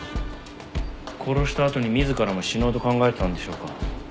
殺した後に自らも死のうと考えてたんでしょうか？